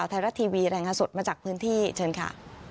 ข่าวไทยรัฐทีวีแรงอาสุดมาจากพื้นที่เชิญค่ะ